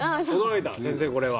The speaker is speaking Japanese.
先生これは。